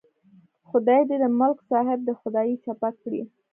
خدای دې د ملک صاحب دا خدایي چپه کړي.